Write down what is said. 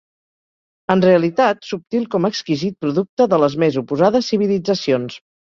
En realitat subtil com exquisit producte de les més oposades civilitzacions